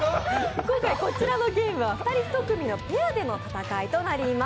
今回、こちらのゲームは２人１組のペアでの戦いとなります。